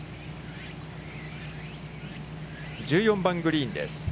１４番グリーンです。